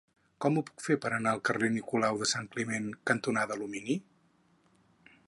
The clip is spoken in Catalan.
Com ho puc fer per anar al carrer Nicolau de Sant Climent cantonada Alumini?